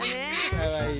かわいい。